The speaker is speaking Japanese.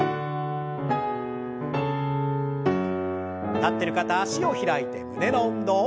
立ってる方脚を開いて胸の運動。